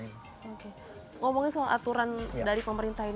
oke ngomongin soal aturan dari pemerintah ini